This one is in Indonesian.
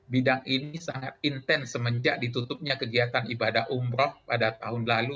bidang ini sangat intens semenjak ditutupnya kegiatan ibadah umroh pada tahun lalu